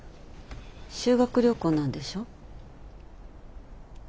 修学旅行なんでしょ？